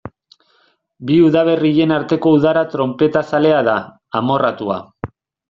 Bi udaberrien arteko udara tronpetazalea da, amorratua.